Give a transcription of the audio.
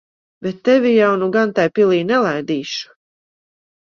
Bet tevi jau nu gan tai pilī nelaidīšu.